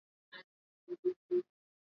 Moba weko na lima sana maharagi mingi